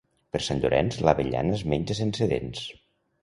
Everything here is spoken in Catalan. Per Sant Llorenç l'avellana es menja sense dents.